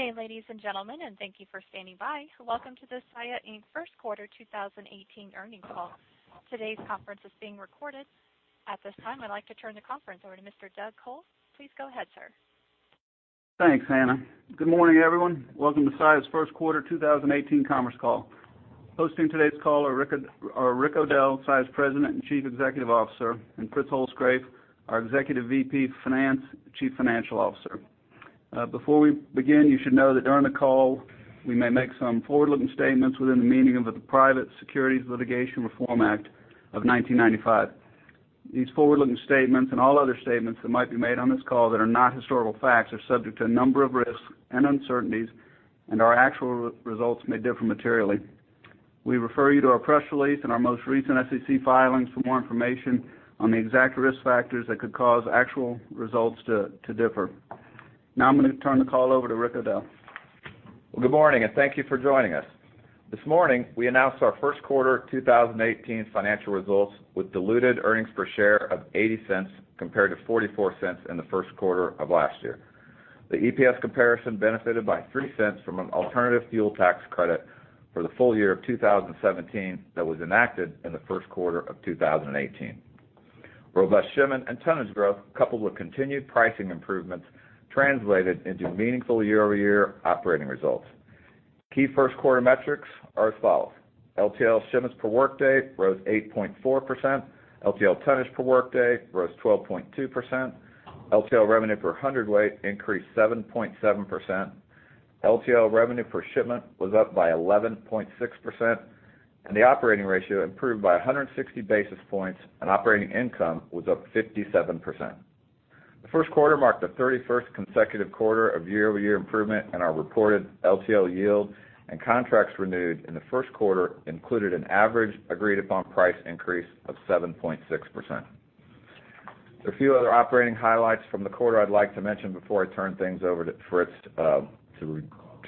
Good day, ladies and gentlemen, and thank you for standing by. Welcome to the Saia, Inc. First Quarter 2018 Earnings Call. Today's conference is being recorded. At this time, I'd like to turn the conference over to Mr. Douglas Col. Please go ahead, sir. Thanks, Hannah. Good morning, everyone. Welcome to Saia's First Quarter 2018 conference call. Hosting today's call are Rick O'Dell, Saia's President and Chief Executive Officer, and Fritz Holzgrefe, our Executive VP Finance, Chief Financial Officer. Before we begin, you should know that during the call, we may make some forward-looking statements within the meaning of the Private Securities Litigation Reform Act of 1995. These forward-looking statements, and all other statements that might be made on this call that are not historical facts, are subject to a number of risks and uncertainties, and our actual results may differ materially. We refer you to our press release and our most recent SEC filings for more information on the exact risk factors that could cause actual results to differ. I'm going to turn the call over to Rick O'Dell. Good morning, and thank you for joining us. This morning, we announced our First Quarter 2018 financial results with diluted EPS of $0.80 compared to $0.44 in the first quarter of last year. The EPS comparison benefited by $0.03 from an alternative fuel tax credit for the full year of 2017 that was enacted in the first quarter of 2018. Robust shipment and tonnage growth, coupled with continued pricing improvements, translated into meaningful year-over-year operating results. Key first quarter metrics are as follows. LTL shipments per workday rose 8.4%. LTL tonnage per workday rose 12.2%. LTL revenue per hundredweight increased 7.7%. LTL revenue per shipment was up by 11.6%. The operating ratio improved by 160 basis points. Operating income was up 57%. The first quarter marked the 31st consecutive quarter of year-over-year improvement in our reported LTL yield. Contracts renewed in the first quarter included an average agreed-upon price increase of 7.6%. There are a few other operating highlights from the quarter I'd like to mention before I turn things over to Fritz to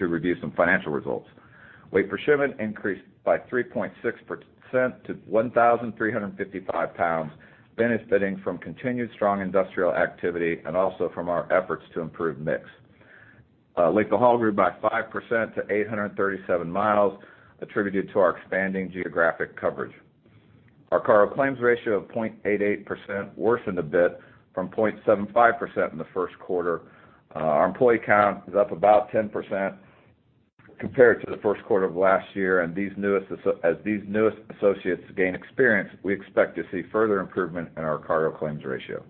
review some financial results. Weight per shipment increased by 3.6% to 1,355 pounds, benefiting from continued strong industrial activity and also from our efforts to improve mix. Length of haul grew by 5% to 837 miles, attributed to our expanding geographic coverage. Our cargo claims ratio of 0.88% worsened a bit from 0.75% in the first quarter. Our employee count is up about 10% compared to the first quarter of last year. As these newest associates gain experience, we expect to see further improvement in our cargo claims ratio.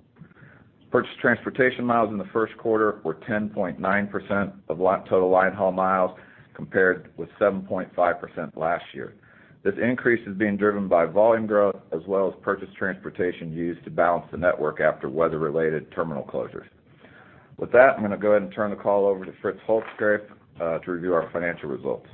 Purchased transportation miles in the first quarter were 10.9% of total line haul miles, compared with 7.5% last year. This increase is being driven by volume growth as well as purchased transportation used to balance the network after weather-related terminal closures. With that, I'm going to go ahead and turn the call over to Fritz Holzgrefe to review our financial results.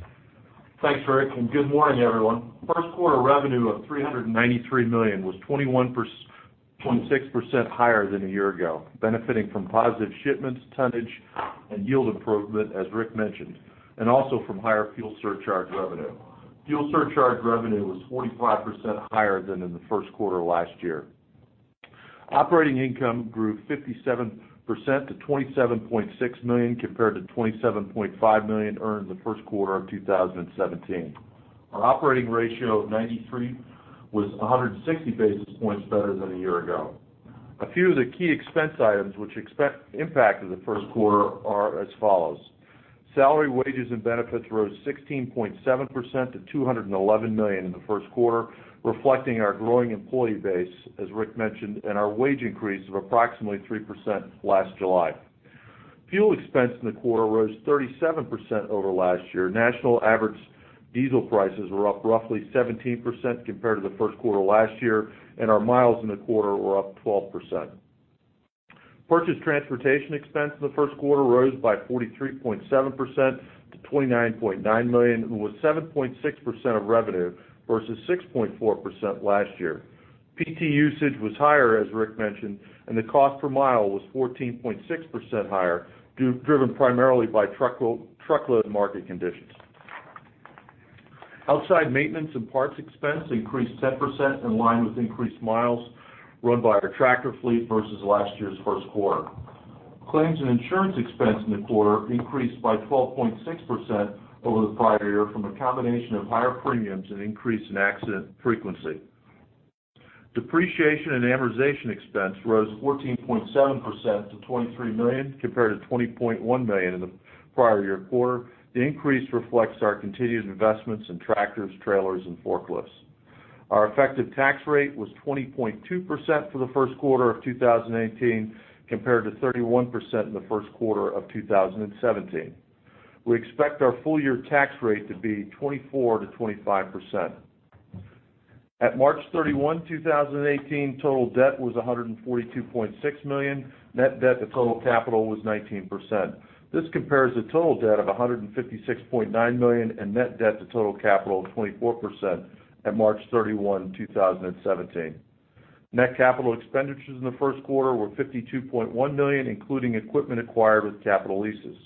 Thanks, Rick, and good morning, everyone. First quarter revenue of $393 million was 21.6% higher than a year ago, benefiting from positive shipments, tonnage, and yield improvement, as Rick mentioned, and also from higher fuel surcharge revenue. Fuel surcharge revenue was 45% higher than in the first quarter of last year. Operating income grew 57% to $27.6 million compared to $27.5 million earned in the first quarter of 2017. Our operating ratio of 93 was 160 basis points better than a year ago. A few of the key expense items which impacted the first quarter are as follows. Salary, wages, and benefits rose 16.7% to $211 million in the first quarter, reflecting our growing employee base, as Rick mentioned, and our wage increase of approximately 3% last July. Fuel expense in the quarter rose 37% over last year. National average diesel prices were up roughly 17% compared to the first quarter last year. Our miles in the quarter were up 12%. Purchased transportation expense in the first quarter rose by 43.7% to $29.9 million and was 7.6% of revenue versus 6.4% last year. PT usage was higher, as Rick mentioned. The cost per mile was 14.6% higher, driven primarily by truckload market conditions. Outside maintenance and parts expense increased 10% in line with increased miles run by our tractor fleet versus last year's first quarter. Claims and insurance expense in the quarter increased by 12.6% over the prior year from a combination of higher premiums and increase in accident frequency. Depreciation and amortization expense rose 14.7% to $23 million compared to $20.1 million in the prior year quarter. The increase reflects our continued investments in tractors, trailers, and forklifts. Our effective tax rate was 20.2% for the first quarter of 2018 compared to 31% in the first quarter of 2017. We expect our full year tax rate to be 24%-25%. At March 31, 2018, total debt was $142.6 million. Net debt to total capital was 19%. This compares to total debt of $156.9 million and net debt to total capital of 24% at March 31, 2017. Net capital expenditures in the first quarter were $52.1 million, including equipment acquired with capital leases.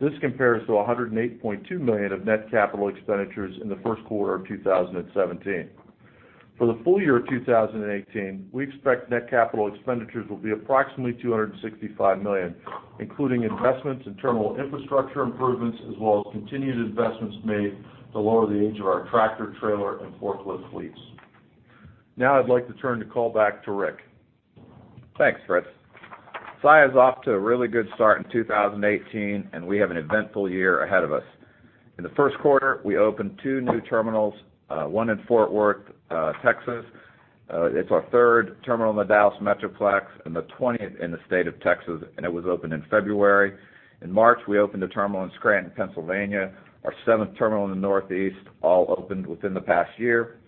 This compares to $108.2 million of net capital expenditures in the first quarter of 2017. For the full year of 2018, we expect net capital expenditures will be approximately $265 million, including investments in terminal infrastructure improvements, as well as continued investments made to lower the age of our tractor, trailer, and forklift fleets. Now I'd like to turn the call back to Rick. Thanks, Fritz. Saia is off to a really good start in 2018, and we have an eventful year ahead of us. In the first quarter, we opened two new terminals, one in Fort Worth, Texas. It's our third terminal in the Dallas Metroplex and the 20th in the state of Texas, and it was opened in February. In March, we opened a terminal in Scranton, Pennsylvania, our seventh terminal in the Northeast, all opened within the past year.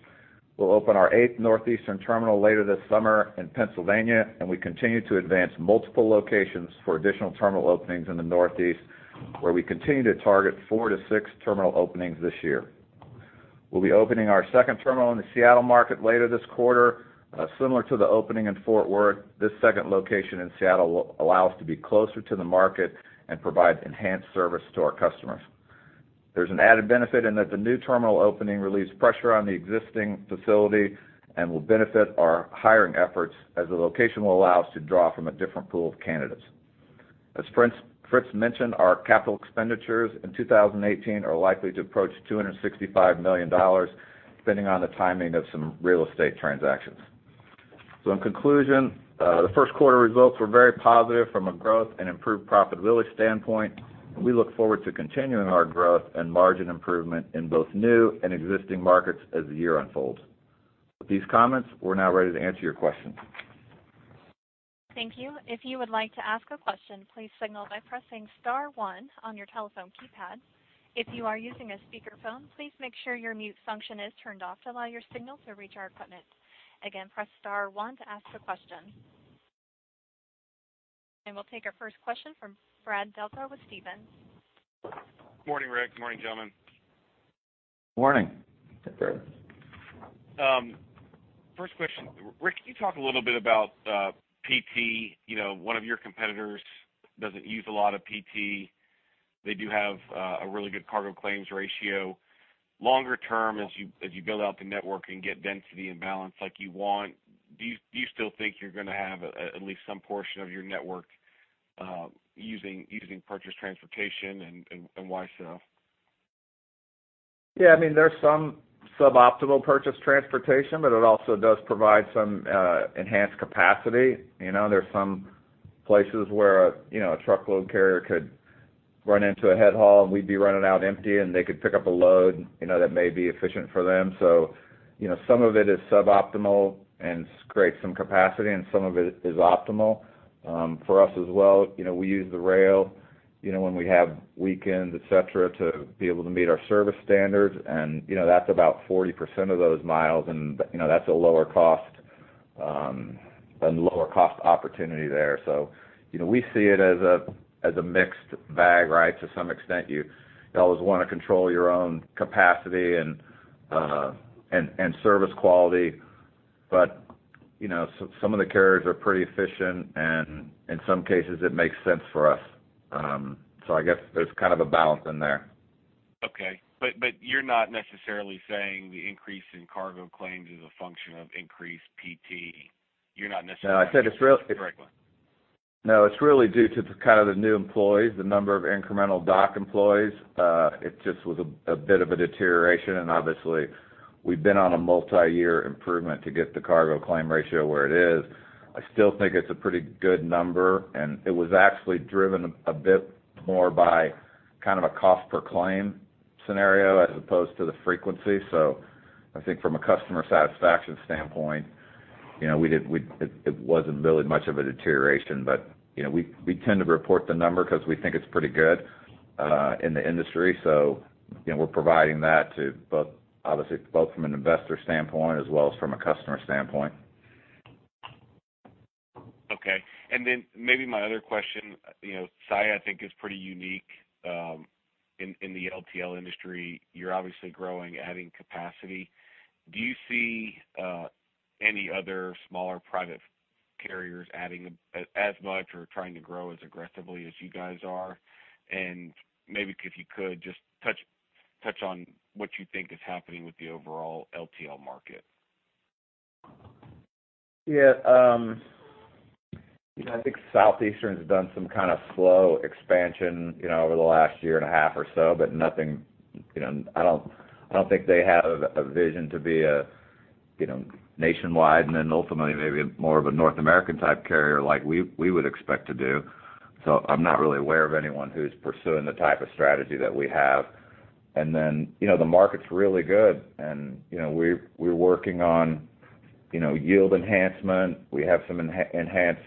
We'll open our eighth Northeastern terminal later this summer in Pennsylvania, and we continue to advance multiple locations for additional terminal openings in the Northeast, where we continue to target four to six terminal openings this year. We'll be opening our second terminal in the Seattle market later this quarter. Similar to the opening in Fort Worth, this second location in Seattle will allow us to be closer to the market and provide enhanced service to our customers. There's an added benefit in that the new terminal opening relieves pressure on the existing facility and will benefit our hiring efforts, as the location will allow us to draw from a different pool of candidates. As Fritz mentioned, our capital expenditures in 2018 are likely to approach $265 million, depending on the timing of some real estate transactions. In conclusion, the first quarter results were very positive from a growth and improved profitability standpoint, and we look forward to continuing our growth and margin improvement in both new and existing markets as the year unfolds. With these comments, we're now ready to answer your questions. Thank you. If you would like to ask a question, please signal by pressing *1 on your telephone keypad. If you are using a speakerphone, please make sure your mute function is turned off to allow your signal to reach our equipment. Again, press *1 to ask a question. We'll take our first question from Brad Delco with Stephens. Morning, Rick. Morning, gentlemen. Morning. Hi, Brad. First question. Rick, can you talk a little bit about PT? One of your competitors doesn't use a lot of PT. They do have a really good cargo claims ratio. Longer term, as you build out the network and get density and balance like you want, do you still think you're going to have at least some portion of your network using purchase transportation, and why so? Yeah, there's some suboptimal purchase transportation. It also does provide some enhanced capacity. There are some places where a truckload carrier could run into a head haul, and we'd be running out empty, and they could pick up a load that may be efficient for them. Some of it is suboptimal and creates some capacity, and some of it is optimal. For us as well, we use the rail when we have weekends, etc., to be able to meet our service standards. That's about 40% of those miles, and that's a lower cost opportunity there. We see it as a mixed bag, right? To some extent, you always want to control your own capacity and service quality. Some of the carriers are pretty efficient, and in some cases it makes sense for us. I guess there's kind of a balance in there. Okay. You're not necessarily saying the increase in cargo claims is a function of increased PT. You're not necessarily. I said it's. Correct me. It's really due to the new employees, the number of incremental dock employees. It just was a bit of a deterioration, and obviously we've been on a multi-year improvement to get the cargo claim ratio where it is. I still think it's a pretty good number, and it was actually driven a bit more by a cost per claim scenario as opposed to the frequency. I think from a customer satisfaction standpoint, it wasn't really much of a deterioration. We tend to report the number because we think it's pretty good in the industry. We're providing that to both from an investor standpoint as well as from a customer standpoint. Okay. Then maybe my other question. Saia, I think, is pretty unique in the LTL industry. You're obviously growing, adding capacity. Do you see any other smaller private carriers adding as much or trying to grow as aggressively as you guys are? Maybe if you could just touch on what you think is happening with the overall LTL market. Yeah. I think Southeastern has done some slow expansion over the last year and a half or so, but I don't think they have a vision to be a nationwide, and then ultimately, maybe more of a North American type carrier like we would expect to do. I'm not really aware of anyone who's pursuing the type of strategy that we have. The market's really good, and we're working on yield enhancement. We have some enhanced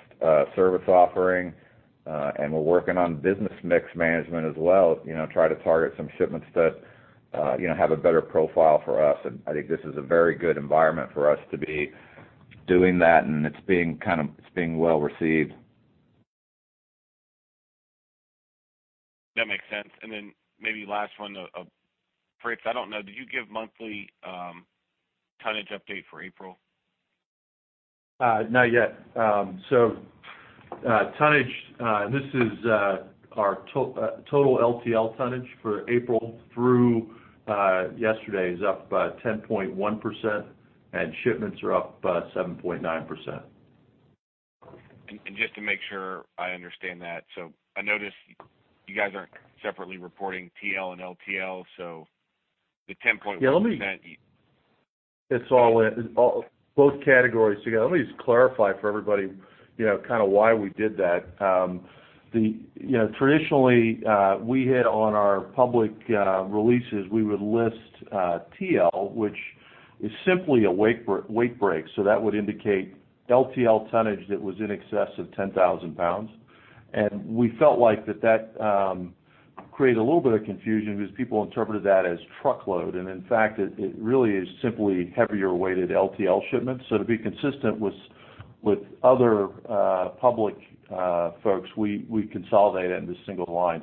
service offering. We're working on business mix management as well, try to target some shipments that have a better profile for us. I think this is a very good environment for us to be doing that, and it's being well received. That makes sense. Maybe last one. Fritz, I don't know, do you give monthly tonnage update for April? Not yet. Tonnage. This is our total LTL tonnage for April through yesterday is up by 10.1%, and shipments are up by 7.9%. Just to make sure I understand that. I noticed you guys aren't separately reporting TL and LTL. The 10.1%- Yeah, let me. you- It's all in both categories together. Let me just clarify for everybody why we did that. Traditionally, we hit on our public releases, we would list TL, which is simply a weight break, so that would indicate LTL tonnage that was in excess of 10,000 pounds. We felt like that created a little bit of confusion because people interpreted that as truckload, and in fact, it really is simply heavier-weighted LTL shipments. To be consistent with other public folks, we consolidate it into a single line.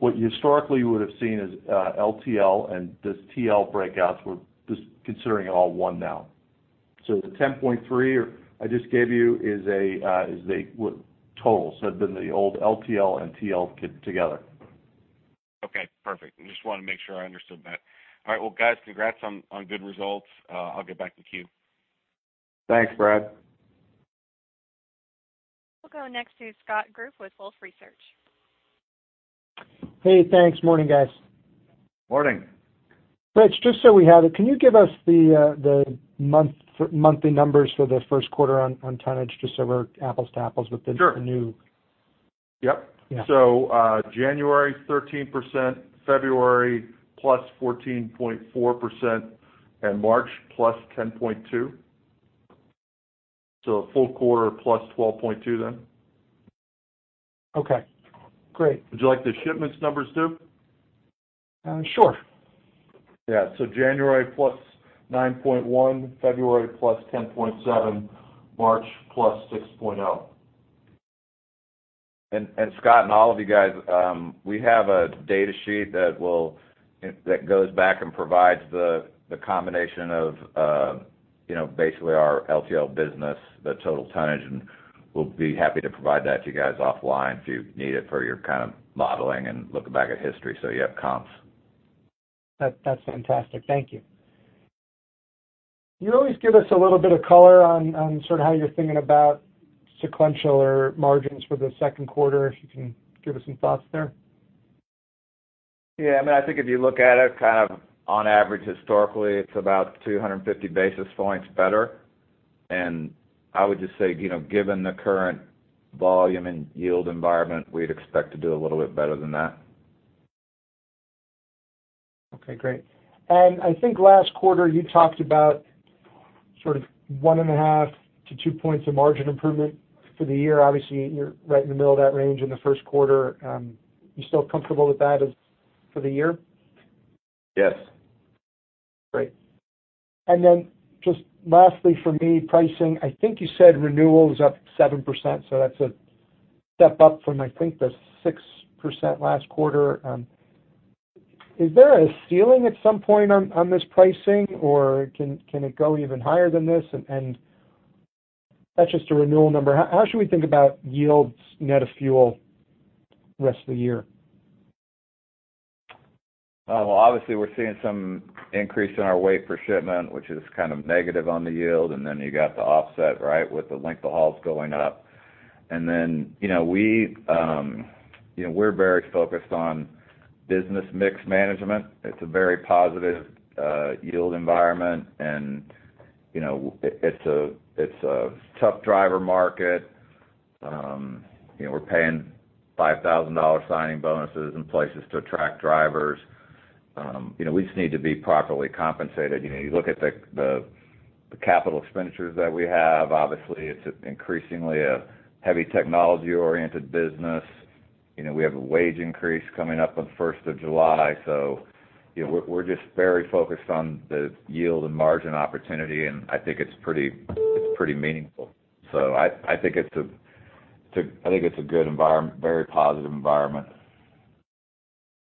What you historically would've seen as LTL and this TL breakouts, we're just considering it all one now. The 10.3 I just gave you is the total, so it'd been the old LTL and TL together. Okay, perfect. I just wanted to make sure I understood that. All right. Well, guys, congrats on good results. I'll get back to the queue. Thanks, Brad. We'll go next to Scott Group with Wolfe Research. Hey, thanks. Morning, guys. Morning. Rich, just so we have it, can you give us the monthly numbers for the first quarter on tonnage just so we're apples to apples. Sure new- Yep. Yeah. January 13%, February plus 14.4%, and March plus 10.2%. A full quarter plus 12.2% then. Okay, great. Would you like the shipments numbers, too? Sure. Yeah. January plus 9.1, February plus 10.7, March plus 6.0. Scott and all of you guys, we have a data sheet that goes back and provides the combination of basically our LTL business, the total tonnage, and we'll be happy to provide that to you guys offline if you need it for your modeling and looking back at history so you have comps. That's fantastic. Thank you. You always give us a little bit of color on sort of how you're thinking about sequential or margins for the second quarter, if you can give us some thoughts there. Yeah, I think if you look at it on average, historically, it's about 250 basis points better. I would just say, given the current volume and yield environment, we'd expect to do a little bit better than that. Okay, great. I think last quarter you talked about sort of one and a half to two points of margin improvement for the year. Obviously, you're right in the middle of that range in the first quarter. You still comfortable with that for the year? Yes. Great. Just lastly for me, pricing. I think you said renewal is up 7%, so that's a step up from, I think, the 6% last quarter. Is there a ceiling at some point on this pricing, or can it go even higher than this? That's just a renewal number. How should we think about yields net of fuel the rest of the year? Obviously, we're seeing some increase in our weight per shipment, which is kind of negative on the yield. You got the offset, right, with the length of hauls going up. We're very focused on business mix management. It's a very positive yield environment. It's a tough driver market. We're paying $5,000 signing bonuses in places to attract drivers. We just need to be properly compensated. You look at the capital expenditures that we have. Obviously, it's increasingly a heavy technology-oriented business. We have a wage increase coming up on the 1st of July. We're just very focused on the yield and margin opportunity. I think it's pretty meaningful. I think it's a very positive environment.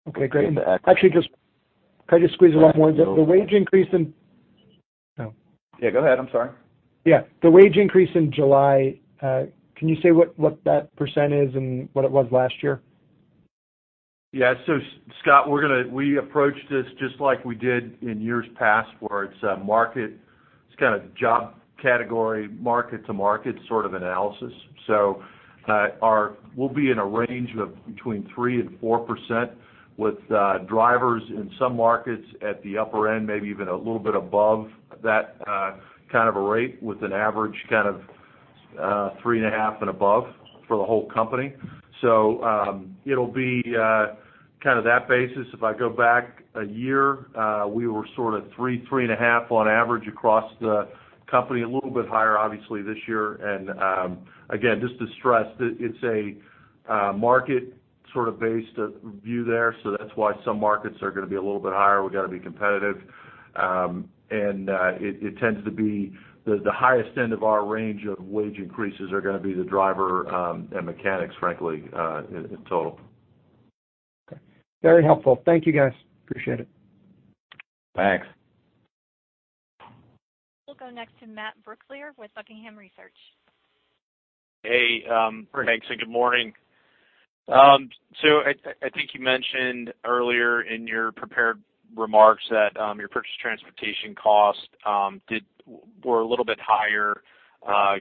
Okay, great. And the- Actually, just could I just squeeze one more in? Yeah. The wage increase in. Yeah, go ahead. I'm sorry. Yeah. The wage increase in July, can you say what that % is and what it was last year? Yeah. Scott, we approached this just like we did in years past where it's market, it's kind of job category, market-to-market sort of analysis. We'll be in a range of between 3% and 4% with drivers in some markets at the upper end, maybe even a little bit above that kind of a rate with an average kind of 3.5 and above for the whole company. It'll be kind of that basis. If I go back a year, we were sort of 3.3 and a half % on average across the company, a little bit higher obviously this year. Again, just to stress that it's a market sort of based view there, that's why some markets are going to be a little bit higher. We got to be competitive. it tends to be the highest end of our range of wage increases are going to be the driver, and mechanics, frankly, in total. Okay. Very helpful. Thank you, guys. Appreciate it. Thanks. We'll go next to Matt Brooklier with Buckingham Research. Hey. Thanks, and good morning. I think you mentioned earlier in your prepared remarks that your purchase transportation cost were a little bit higher,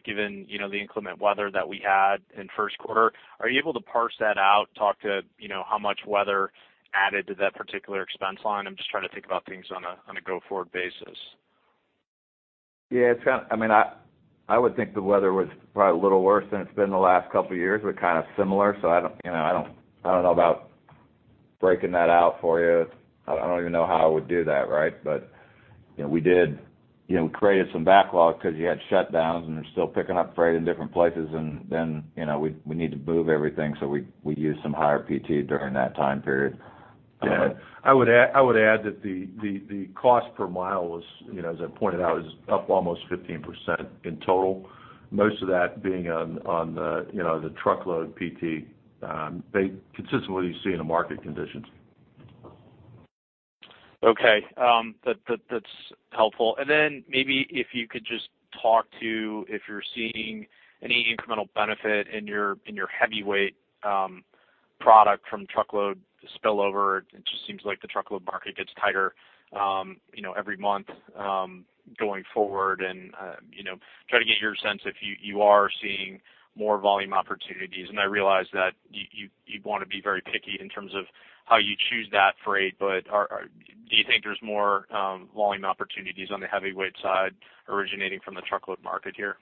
given the inclement weather that we had in first quarter. Are you able to parse that out, talk to how much weather added to that particular expense line? I'm just trying to think about things on a go-forward basis. I would think the weather was probably a little worse than it's been the last couple of years. We're similar, I don't know about breaking that out for you. I don't even know how I would do that, right? We did create some backlog because you had shutdowns, and we're still picking up freight in different places. We need to move everything, so we used some higher PT during that time period. I would add that the cost per mile was, as I pointed out, is up almost 15% in total. Most of that being on the truckload PT. Consistent with what you see in the market conditions. Okay. That's helpful. Maybe if you could just talk to if you're seeing any incremental benefit in your heavyweight product from truckload spillover. It just seems like the truckload market gets tighter every month going forward. Try to get your sense if you are seeing more volume opportunities. I realize that you want to be very picky in terms of how you choose that freight, but do you think there's more volume opportunities on the heavyweight side originating from the truckload market here?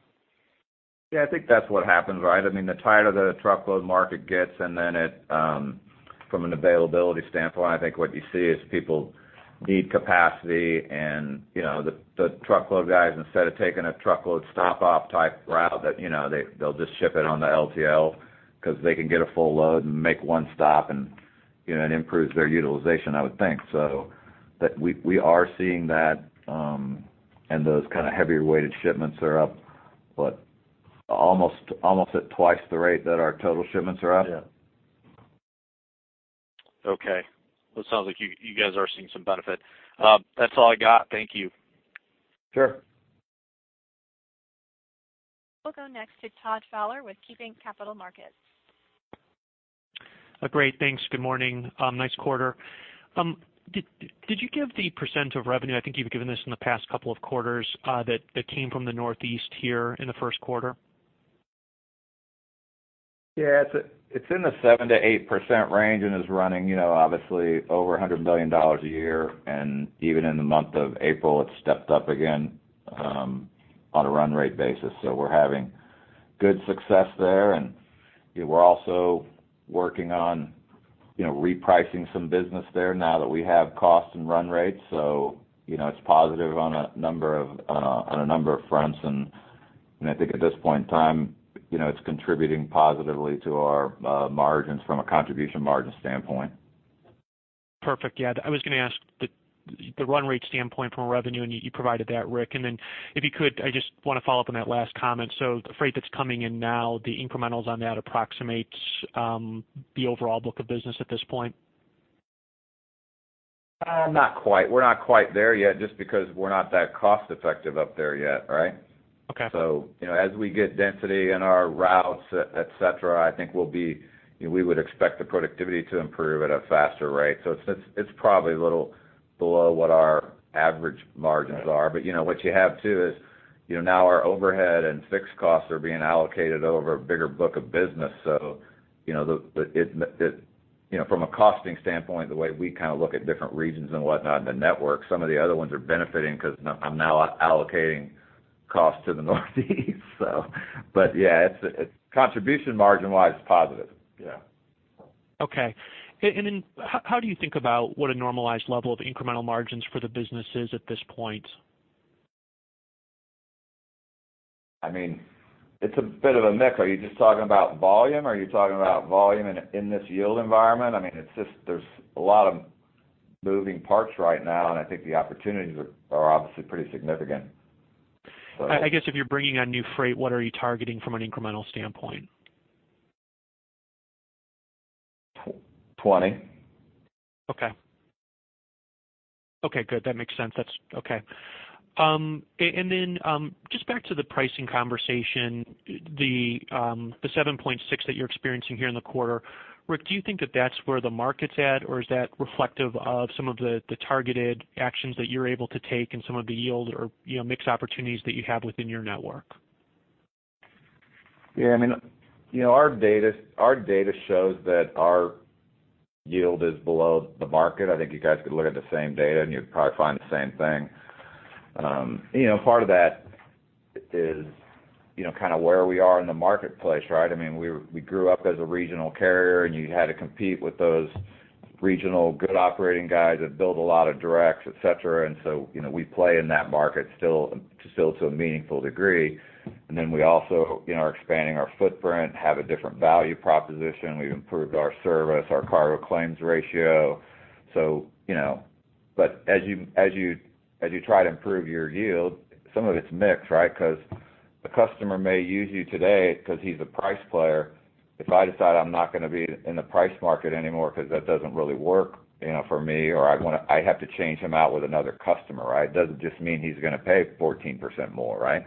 Yeah, I think that's what happens, right? The tighter the truckload market gets and then it from an availability standpoint, I think what you see is people need capacity and the truckload guys instead of taking a truckload stop off type route that they'll just ship it on the LTL because they can get a full load and make one stop and it improves their utilization, I would think. We are seeing that, and those heavier weighted shipments are up, what? Almost at twice the rate that our total shipments are up. Yeah. Okay. Well, it sounds like you guys are seeing some benefit. That's all I got. Thank you. Sure. We'll go next to Todd Fowler with KeyBanc Capital Markets. Great. Thanks. Good morning. Nice quarter. Did you give the % of revenue, I think you've given this in the past couple of quarters, that came from the Northeast here in the first quarter? Yeah. It's in the 7%-8% range and is running obviously over $100 million a year. Even in the month of April, it stepped up again on a run rate basis. We're having good success there. We're also working on repricing some business there now that we have costs and run rates. It's positive on a number of fronts. I think at this point in time it's contributing positively to our margins from a contribution margin standpoint. Perfect. Yeah. I was going to ask the run rate standpoint from revenue, and you provided that, Rick. Then if you could, I just want to follow up on that last comment. The freight that's coming in now, the incrementals on that approximates the overall book of business at this point? Not quite. We're not quite there yet, just because we're not that cost effective up there yet, right? Okay. As we get density in our routes, et cetera, I think we would expect the productivity to improve at a faster rate. It's probably a little below what our average margins are. What you have too is now our overhead and fixed costs are being allocated over a bigger book of business. From a costing standpoint, the way we look at different regions and whatnot in the network, some of the other ones are benefiting because I'm now allocating costs to the Northeast. Yeah, contribution margin-wise, positive. Yeah. Okay. Then how do you think about what a normalized level of incremental margins for the business is at this point? It's a bit of a mix. Are you just talking about volume or are you talking about volume in this yield environment? There's a lot of moving parts right now. I think the opportunities are obviously pretty significant. I guess if you're bringing on new freight, what are you targeting from an incremental standpoint? 20. Okay. Okay, good. That makes sense. That's okay. Then, just back to the pricing conversation, the 7.6% that you're experiencing here in the quarter. Rick, do you think that that's where the market's at or is that reflective of some of the targeted actions that you're able to take and some of the yield or mix opportunities that you have within your network? Yeah. Our data shows that our yield is below the market. I think you guys could look at the same data and you'd probably find the same thing. Part of that is where we are in the marketplace, right? We grew up as a regional carrier and you had to compete with those regional good operating guys that build a lot of directs, et cetera. So we play in that market still to a meaningful degree. Then we also are expanding our footprint, have a different value proposition. We've improved our service, our cargo claims ratio. As you try to improve your yield, some of it's mix, right? Because A customer may use you today because he's a price player. If I decide I'm not going to be in the price market anymore because that doesn't really work for me, or I have to change him out with another customer, it doesn't just mean he's going to pay 14% more.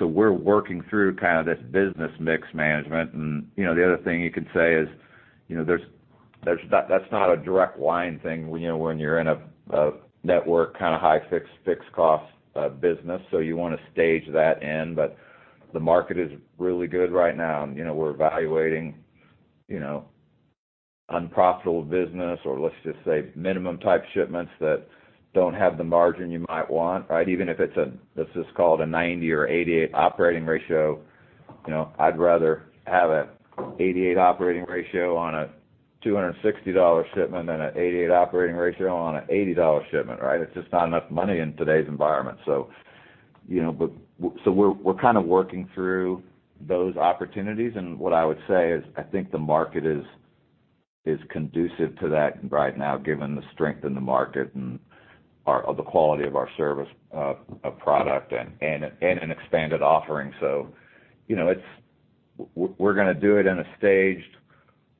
We're working through this business mix management. The other thing you could say is that's not a direct line thing when you're in a network, high fixed cost business. You want to stage that in, but the market is really good right now, and we're evaluating unprofitable business, or let's just say minimum type shipments that don't have the margin you might want. Even if this is called a 90 or 88 operating ratio, I'd rather have a 88 operating ratio on a $260 shipment than a 88 operating ratio on a $80 shipment. It's just not enough money in today's environment. We're working through those opportunities, and what I would say is, I think the market is conducive to that right now, given the strength in the market and the quality of our service, product, and an expanded offering. We're going to do it in a staged way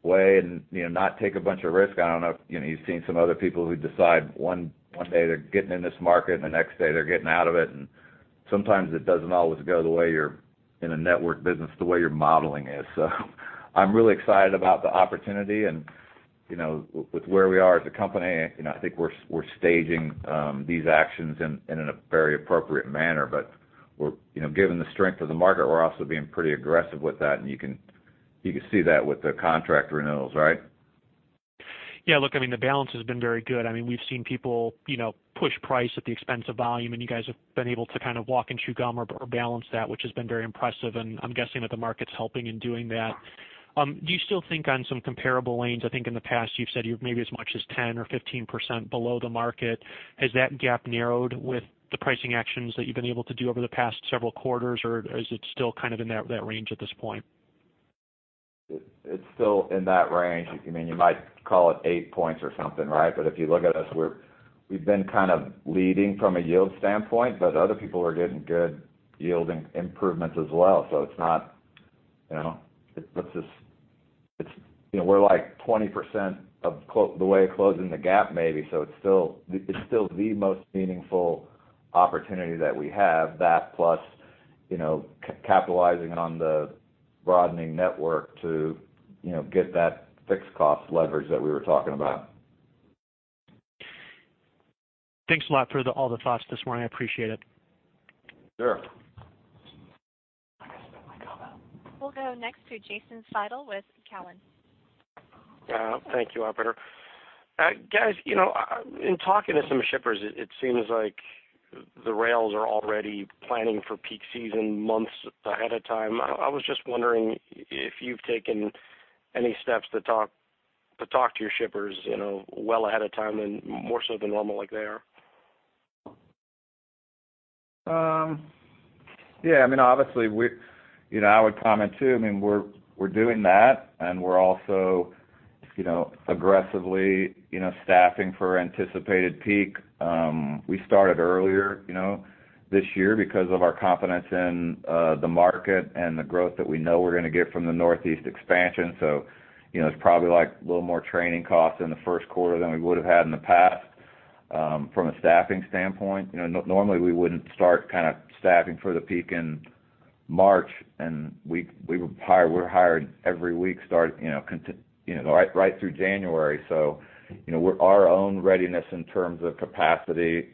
and not take a bunch of risk. I don't know if you've seen some other people who decide one day they're getting in this market, and the next day they're getting out of it, and sometimes it doesn't always go the way you're in a network business, the way your modeling is. I'm really excited about the opportunity and with where we are as a company, I think we're staging these actions in a very appropriate manner. Given the strength of the market, we're also being pretty aggressive with that, and you can see that with the contract renewals, right? Yeah. Look, the balance has been very good. We've seen people push price at the expense of volume, and you guys have been able to walk and chew gum or balance that, which has been very impressive, and I'm guessing that the market's helping in doing that. Do you still think on some comparable lanes, I think in the past you've said you're maybe as much as 10% or 15% below the market. Has that gap narrowed with the pricing actions that you've been able to do over the past several quarters, or is it still in that range at this point? It's still in that range. You might call it eight points or something. If you look at us, we've been leading from a yield standpoint, but other people are getting good yield improvements as well. We're like 20% of the way of closing the gap, maybe. It's still the most meaningful opportunity that we have. That plus capitalizing on the broadening network to get that fixed cost leverage that we were talking about. Thanks a lot for all the thoughts this morning. I appreciate it. Sure. [inaudible] We'll go next to Jason Seidl with Cowen. Thank you, operator. Guys, in talking to some shippers, it seems like the rails are already planning for peak season months ahead of time. I was just wondering if you've taken any steps to talk to your shippers well ahead of time, and more so than normal like they are. Yeah. Obviously, I would comment too. We're doing that, and we're also aggressively staffing for anticipated peak. We started earlier this year because of our confidence in the market and the growth that we know we're going to get from the Northeast expansion. It's probably a little more training cost in the first quarter than we would have had in the past from a staffing standpoint. Normally, we wouldn't start staffing for the peak in March, and we hired every week right through January. Our own readiness in terms of capacity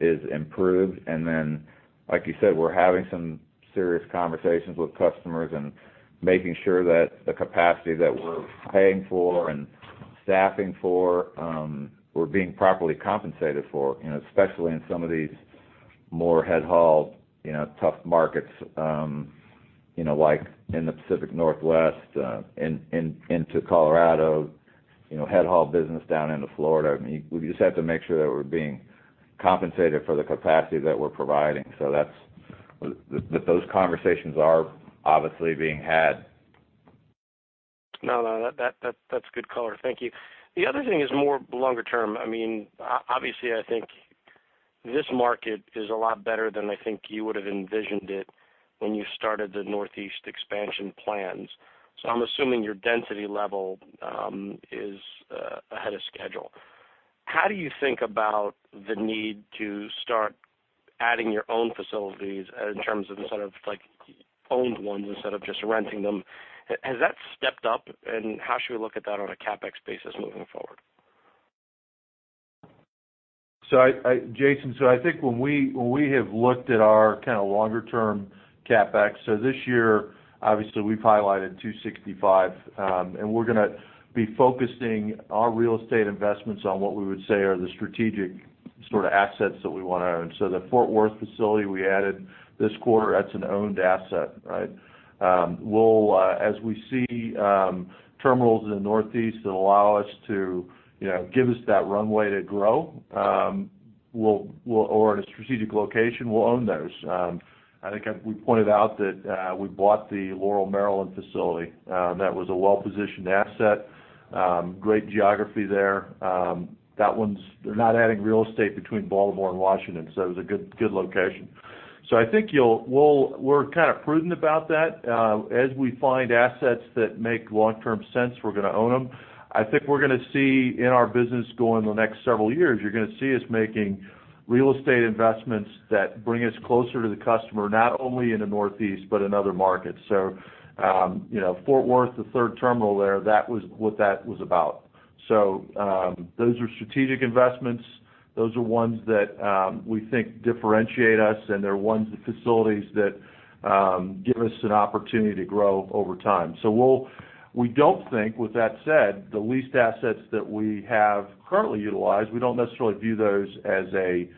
is improved, and then like you said, we're having some serious conversations with customers and making sure that the capacity that we're paying for and staffing for, we're being properly compensated for, especially in some of these more head haul, tough markets like in the Pacific Northwest into Colorado, head haul business down into Florida. We just have to make sure that we're being compensated for the capacity that we're providing. Those conversations are obviously being had. No, that's good color. Thank you. The other thing is more longer term. Obviously, I think this market is a lot better than I think you would have envisioned it when you started the Northeast expansion plans. I'm assuming your density level is ahead of schedule. How do you think about the need to start adding your own facilities in terms of owned ones instead of just renting them? Has that stepped up, and how should we look at that on a CapEx basis moving forward? Jason, I think when we have looked at our longer-term CapEx, this year, obviously we've highlighted $265, and we're going to be focusing our real estate investments on what we would say are the strategic sort of assets that we want to own. The Fort Worth facility we added this quarter, that's an owned asset. As we see terminals in the Northeast that allow us to give us that runway to grow, or in a strategic location, we'll own those. I think we pointed out that we bought the Laurel, Maryland facility. That was a well-positioned asset. Great geography there. They're not adding real estate between Baltimore and Washington, so it was a good location. I think we're prudent about that. As we find assets that make long-term sense, we're going to own them. I think we're going to see in our business going the next several years, you're going to see us making real estate investments that bring us closer to the customer, not only in the Northeast but in other markets. Fort Worth, the third terminal there, that was what that was about. Those are strategic investments. Those are ones that we think differentiate us, and they're ones, the facilities, that give us an opportunity to grow over time. We don't think, with that said, the leased assets that we have currently utilized, we don't necessarily view those as a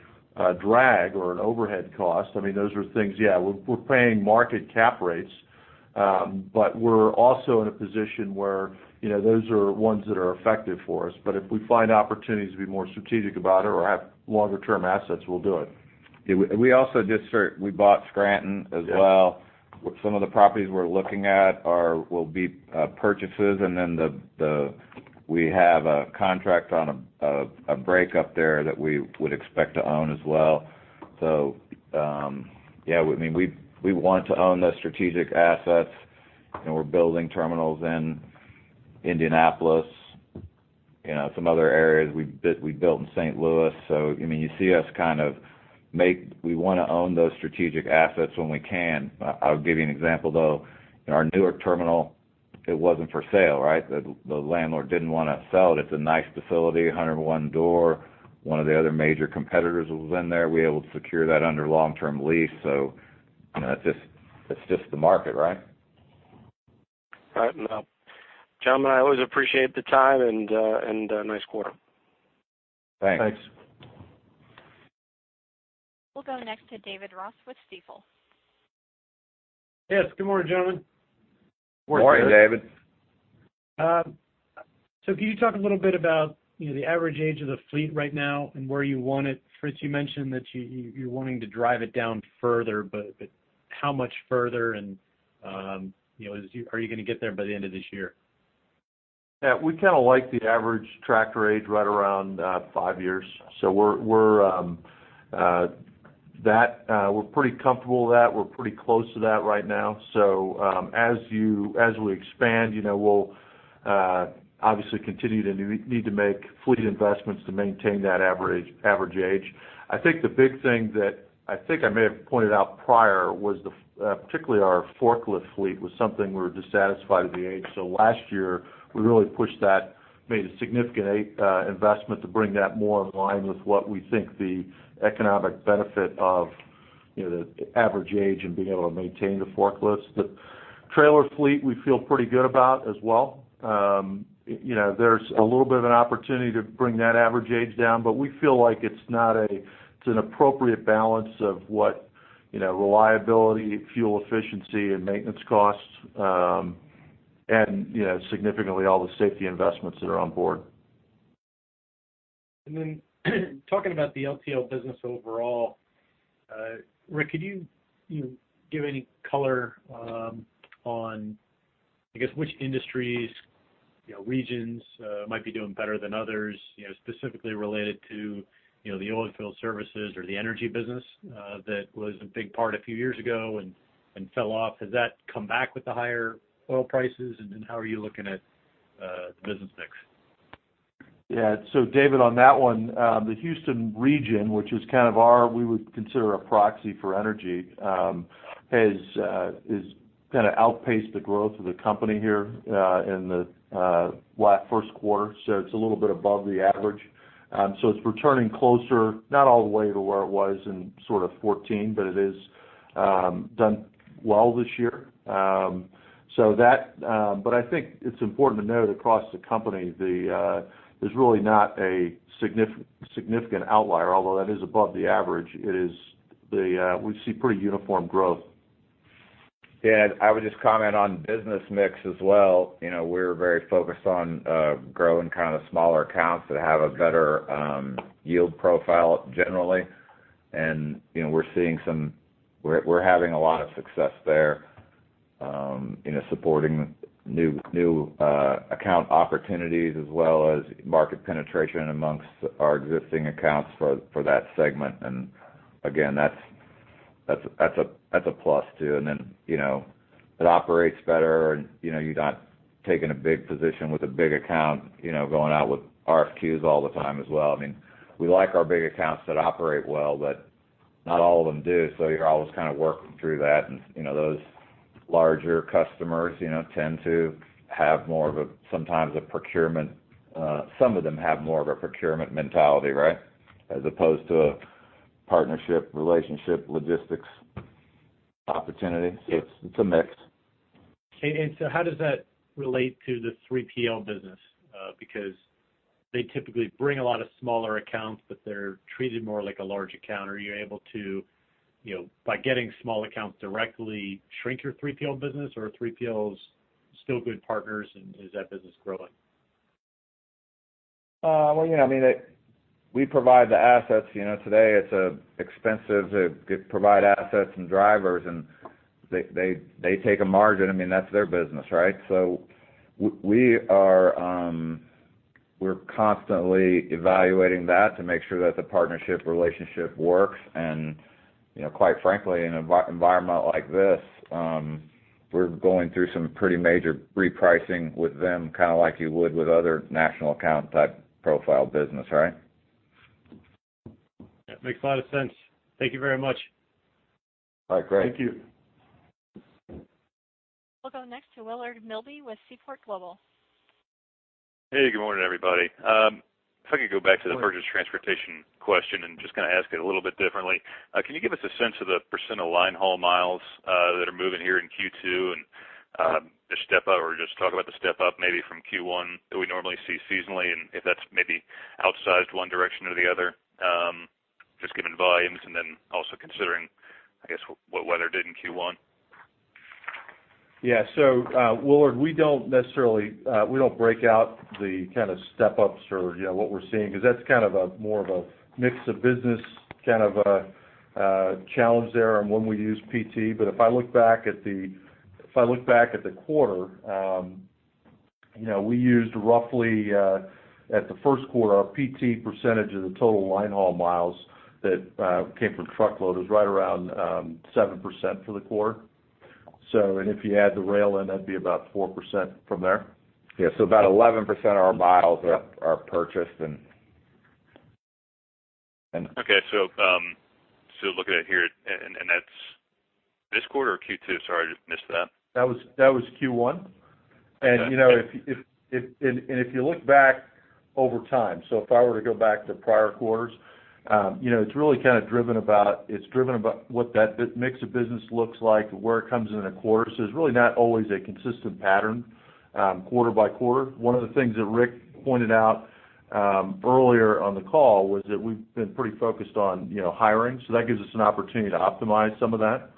drag or an overhead cost. Those are things, yeah, we're paying market Cap rates, but we're also in a position where those are ones that are effective for us. If we find opportunities to be more strategic about it or have longer-term assets, we'll do it. We also just bought Scranton as well. Yes. Some of the properties we're looking at will be purchases, we have a contract on a break up there that we would expect to own as well. Yeah, we want to own the strategic assets, we're building terminals in Indianapolis, some other areas we built in St. Louis. You see us kind of make. We want to own those strategic assets when we can. I'll give you an example, though. In our Newark terminal, it wasn't for sale. The landlord didn't want to sell it. It's a nice facility, 101-door. One of the other major competitors was in there. We were able to secure that under long-term lease. It's just the market. Right. Gentlemen, I always appreciate the time. Nice quarter. Thanks. Thanks. We'll go next to David Ross with Stifel. Yes, good morning, gentlemen. Morning. Morning, David. Can you talk a little bit about the average age of the fleet right now and where you want it? Fritz, you mentioned that you're wanting to drive it down further, how much further, are you going to get there by the end of this year? We kind of like the average tractor age right around five years. We're pretty comfortable with that. We're pretty close to that right now. As we expand, we'll obviously continue to need to make fleet investments to maintain that average age. I think the big thing that I think I may have pointed out prior was particularly our forklift fleet was something we were dissatisfied with the age. Last year, we really pushed that, made a significant investment to bring that more in line with what we think the economic benefit of the average age and being able to maintain the forklifts. The trailer fleet we feel pretty good about as well. There's a little bit of an opportunity to bring that average age down, we feel like it's an appropriate balance of what reliability, fuel efficiency, maintenance costs, significantly all the safety investments that are on board. Talking about the LTL business overall, Rick, could you give any color on, I guess, which industries, regions might be doing better than others, specifically related to the oil field services or the energy business that was a big part a few years ago fell off. Has that come back with the higher oil prices? How are you looking at the business mix? David, on that one, the Houston region, which is kind of our, we would consider a proxy for energy, has kind of outpaced the growth of the company here in the first quarter. It's a little bit above the average. It's returning closer, not all the way to where it was in sort of 2014, but it has done well this year. I think it's important to note across the company, there's really not a significant outlier, although that is above the average. We see pretty uniform growth. I would just comment on business mix as well. We're very focused on growing kind of smaller accounts that have a better yield profile generally. We're having a lot of success there supporting new account opportunities as well as market penetration amongst our existing accounts for that segment. Again, that's a plus too. It operates better, and you're not taking a big position with a big account, going out with RFQs all the time as well. We like our big accounts that operate well, but not all of them do. You're always kind of working through that, and those larger customers tend to have more of a, sometimes a procurement mentality. As opposed to a partnership, relationship, logistics opportunity. It's a mix. How does that relate to the 3PL business? Because they typically bring a lot of smaller accounts, but they're treated more like a large account. Are you able to, by getting small accounts directly, shrink your 3PL business, or are 3PLs still good partners, and is that business growing? We provide the assets. Today it's expensive to provide assets and drivers, and they take a margin. That's their business. We're constantly evaluating that to make sure that the partnership relationship works. Quite frankly, in an environment like this, we're going through some pretty major repricing with them, kind of like you would with other national account type profile business, right? That makes a lot of sense. Thank you very much. All right, great. Thank you. We'll go next to Willard Milby with Seaport Global. Hey, good morning, everybody. If I could go back to the purchased transportation question and just ask it a little bit differently. Can you give us a sense of the % of line haul miles that are moving here in Q2 and the step up, or just talk about the step up maybe from Q1 that we normally see seasonally, and if that's maybe outsized one direction or the other, just given volumes and also considering, I guess, what weather did in Q1? Yeah. Willard, we don't break out the kind of step-ups or what we're seeing, because that's more of a mix of business kind of a challenge there on when we use PT. But if I look back at the quarter, we used roughly at the first quarter, our PT % of the total line haul miles that came from truckload was right around 7% for the quarter. If you add the rail in, that'd be about 4% from there. Yeah. About 11% of our miles are purchased and Okay. Looking at here, that's this quarter or Q2? Sorry, I just missed that. That was Q1. If you look back over time, if I were to go back to prior quarters, it's really driven about what that mix of business looks like and where it comes in a quarter. There's really not always a consistent pattern quarter by quarter. One of the things that Rick pointed out earlier on the call was that we've been pretty focused on hiring. That gives us an opportunity to optimize some of that.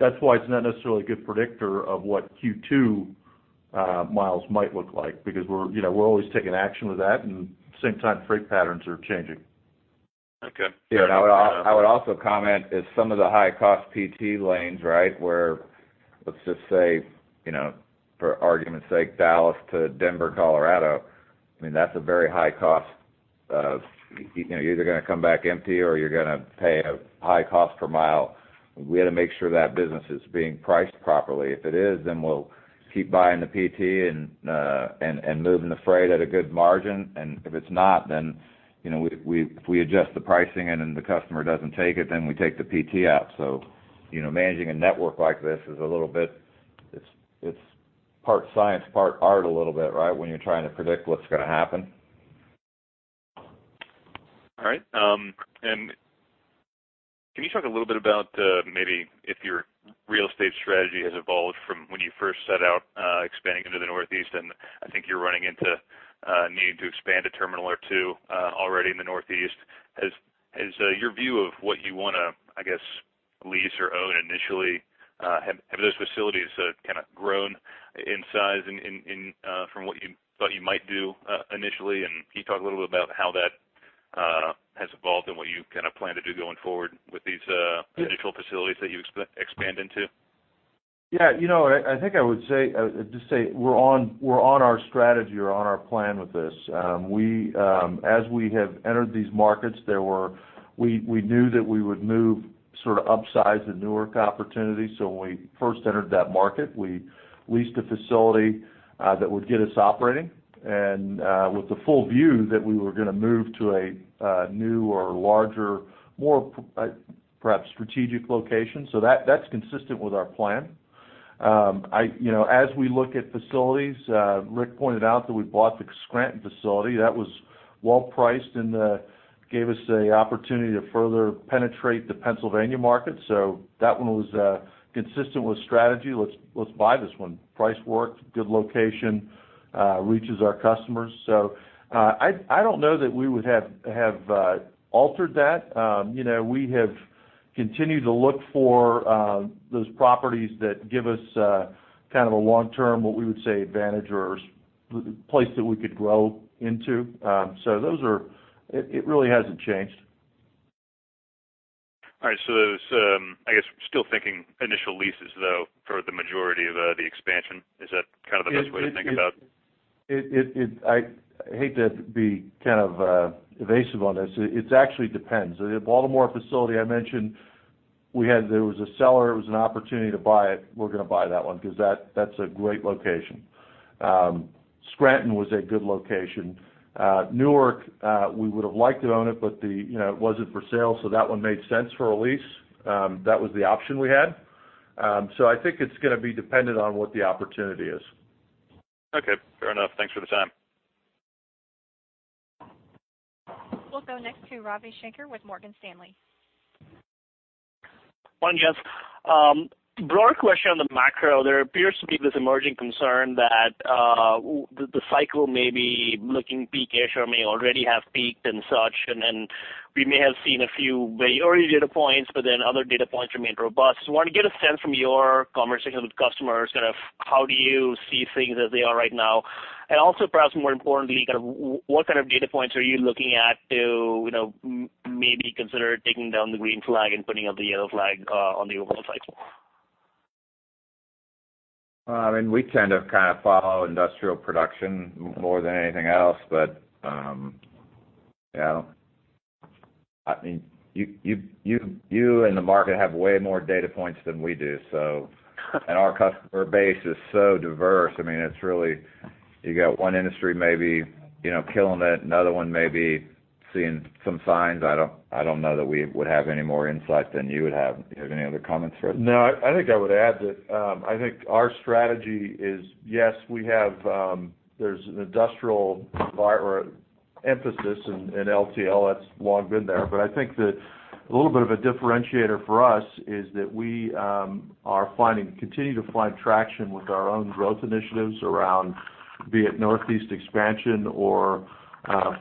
That's why it's not necessarily a good predictor of what Q2 miles might look like, because we're always taking action with that, and same time, freight patterns are changing. Okay. Fair enough. Yeah. I would also comment is some of the high cost PT lanes, where, let's just say, for argument's sake, Dallas to Denver, Colorado, that's a very high cost. You're either going to come back empty or you're going to pay a high cost per mile. We had to make sure that business is being priced properly. If it is, we'll keep buying the PT and moving the freight at a good margin. If it's not, if we adjust the pricing and the customer doesn't take it, we take the PT out. Managing a network like this is a little bit, it's part science, part art a little bit, when you're trying to predict what's going to happen. All right. Can you talk a little bit about maybe if your real estate strategy has evolved from when you first set out expanding into the Northeast, I think you're running into needing to expand a terminal or two already in the Northeast. Has your view of what you want to, I guess, lease or own initially, have those facilities sort of grown in size from what you thought you might do initially? Can you talk a little bit about how that has evolved and what you plan to do going forward with these additional facilities that you expand into? I think I would just say we're on our strategy. We're on our plan with this. As we have entered these markets, we knew that we would move sort of upsize the Newark opportunity. When we first entered that market, we leased a facility that would get us operating, and with the full view that we were going to move to a new or larger, more, perhaps strategic location. That's consistent with our plan. As we look at facilities, Rick pointed out that we bought the Scranton facility. That was well-priced and gave us an opportunity to further penetrate the Pennsylvania market. That one was consistent with strategy. Let's buy this one. Price worked, good location, reaches our customers. I don't know that we would have altered that. We have continued to look for those properties that give us a kind of a long-term, what we would say, advantage or place that we could grow into. It really hasn't changed. All right. I guess, still thinking initial leases, though, for the majority of the expansion. Is that kind of the best way to think about it? I hate to be kind of evasive on this. It actually depends. The Baltimore facility I mentioned, there was a seller, it was an opportunity to buy it. We're going to buy that one because that's a great location. Scranton was a good location. Newark, we would've liked to own it, but it wasn't for sale, That one made sense for a lease. That was the option we had. I think it's going to be dependent on what the opportunity is. Okay, fair enough. Thanks for the time. We'll go next to Ravi Shanker with Morgan Stanley. Morning, guys. Broader question on the macro, there appears to be this emerging concern that the cycle may be looking peak-ish or may already have peaked and such, and then we may have seen a few very early data points, but then other data points remain robust. Want to get a sense from your conversations with customers, how do you see things as they are right now? Also perhaps more importantly, what kind of data points are you looking at to maybe consider taking down the green flag and putting up the yellow flag on the overall cycle? We tend to follow industrial production more than anything else. You and the market have way more data points than we do. Our customer base is so diverse. You got one industry maybe killing it, another one maybe seeing some signs. I don't know that we would have any more insight than you would have. You have any other comments, Fred? No, I think I would add that our strategy is, yes, there's an industrial emphasis in LTL that's long been there. I think that a little bit of a differentiator for us is that we continue to find traction with our own growth initiatives around, be it Northeast expansion or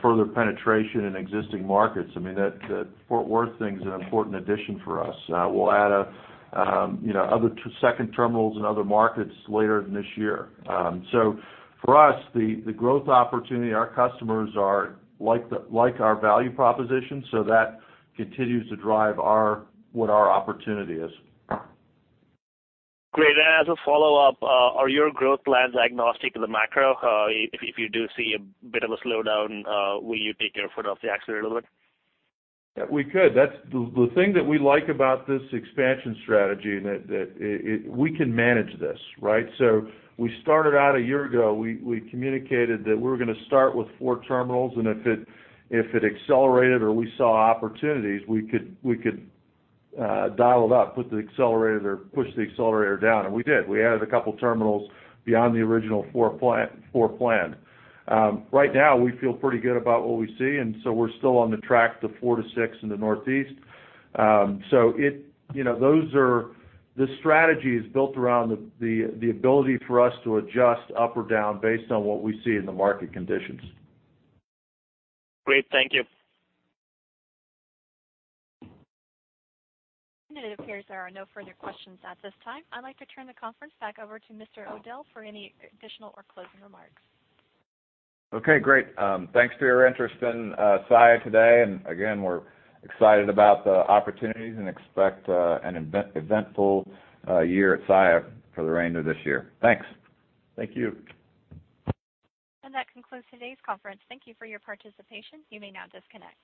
further penetration in existing markets. The Fort Worth thing is an important addition for us. We'll add other second terminals in other markets later this year. For us, the growth opportunity, our customers like our value proposition, so that continues to drive what our opportunity is. Great. As a follow-up, are your growth plans agnostic to the macro? If you do see a bit of a slowdown, will you take your foot off the accelerator a little bit? We could. The thing that we like about this expansion strategy, we can manage this, right? We started out a year ago, we communicated that we were going to start with four terminals, and if it accelerated or we saw opportunities, we could dial it up, push the accelerator down. We did. We added a couple terminals beyond the original four planned. Right now, we feel pretty good about what we see, we're still on the track to four to six in the Northeast. The strategy is built around the ability for us to adjust up or down based on what we see in the market conditions. Great. Thank you. It appears there are no further questions at this time. I'd like to turn the conference back over to Mr. O'Dell for any additional or closing remarks. Okay, great. Thanks for your interest in Saia today. Again, we're excited about the opportunities and expect an eventful year at Saia for the remainder of this year. Thanks. Thank you. That concludes today's conference. Thank you for your participation. You may now disconnect.